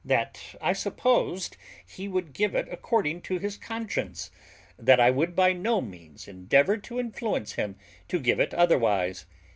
that I supposed he would give it according to his conscience; that I would by no means endeavour to influence him to give it otherwise.